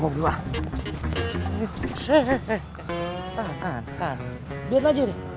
biarkan aja deh